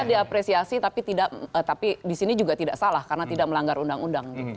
bisa diapresiasi tapi tidak tapi disini juga tidak salah karena tidak melanggar undang undang